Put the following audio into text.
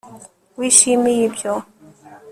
wishimiye ibyo